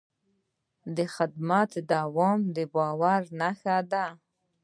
د خدمت دوام د باور نښه ده.